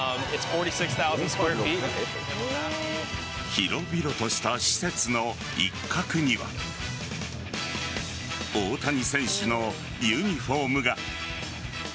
広々とした施設の一角には大谷選手のユニホームが。